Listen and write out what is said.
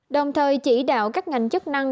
đồng thời chỉ đạo các ngành chức năng